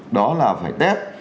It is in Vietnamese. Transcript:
đó là phải test